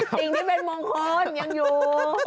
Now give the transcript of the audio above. สิ่งที่เป็นมงคลยังอยู่